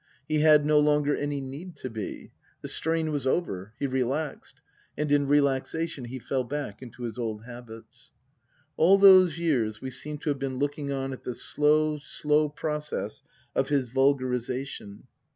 He had no longer any need to be. The strain was over he relaxed, and in relaxation he fell back into his old habits. All those years we seem to have been looking on at the slow, slow process of his vulgarization.